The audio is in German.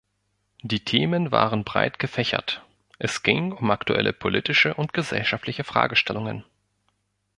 Die Themen waren breit gefächert; es ging um aktuelle politische und gesellschaftliche Fragestellungen.